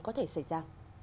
có thể xảy ra